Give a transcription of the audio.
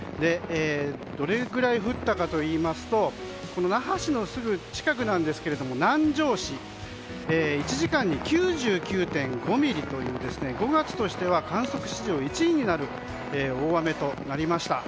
どれくらい降ったかといいますと那覇市のすぐ近くなんですが南城市で１時間に９９．５ミリという５月としては観測史上１位になる大雨となりました。